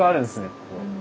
ここ。